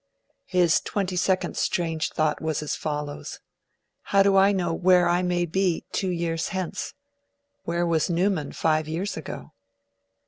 His twenty second strange thought was as follows: 'How do I know where I may be two years hence? Where was Newman five years ago?'